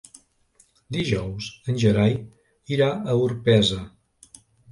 Dijous en Gerai irà a Orpesa.